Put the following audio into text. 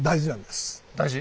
大事？